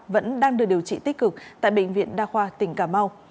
vẫn đang được điều trị tích cực tại bệnh viện đa khoa tỉnh cà mau